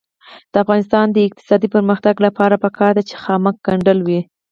د افغانستان د اقتصادي پرمختګ لپاره پکار ده چې خامک ګنډل وي.